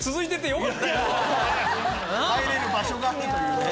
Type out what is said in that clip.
帰れる場所があるというね。